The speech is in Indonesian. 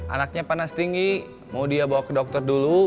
anaknya panas tinggi mau dia bawa ke dokter dulu